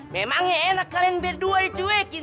memangnya enak kalian berdua dicuekin